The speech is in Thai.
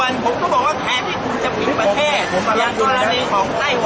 อาหรับเชี่ยวจามันไม่มีควรหยุด